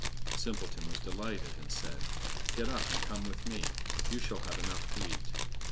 Simpleton was delighted, and said: "Get up and come with me. You shall have enough to eat."